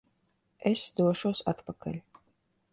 Es došos atpakaļ!